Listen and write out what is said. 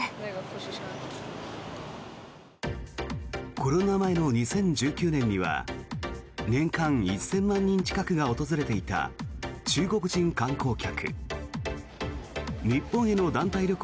コロナ前の２０１９年には年間１０００万人近くが訪れていた中国人観光客。